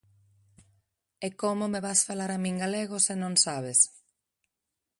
E como me vas falar a min galego se non sabes?